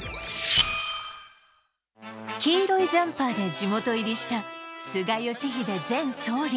黄色いジャンパーで地元入りした菅義偉前総理。